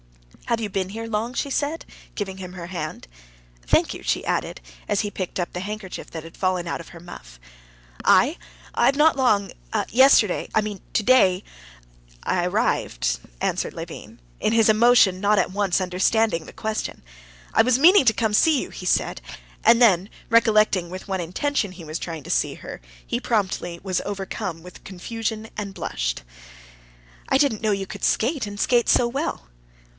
"Have you been here long?" she said, giving him her hand. "Thank you," she added, as he picked up the handkerchief that had fallen out of her muff. "I? I've not long ... yesterday ... I mean today ... I arrived," answered Levin, in his emotion not at once understanding her question. "I was meaning to come and see you," he said; and then, recollecting with what intention he was trying to see her, he was promptly overcome with confusion and blushed. "I didn't know you could skate, and skate so well."